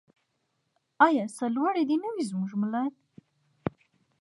آیا سرلوړی دې نه وي زموږ ملت؟